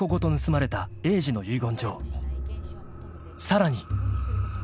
［さらに］